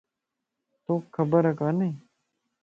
توکَ خبر کاني؟